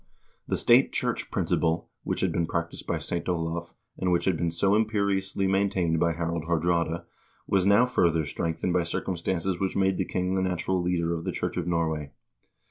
The state church principle, which had been practiced by St. Olav, and which had been so imperiously maintained by Harald Haardraade, was now further strengthened by circumstances which made the king the natural leader of the Church of Norway.